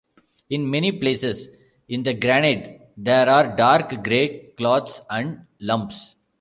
In many places in the granite there are dark grey clots and lumps.